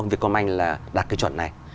việc công anh là đặt cái chuẩn này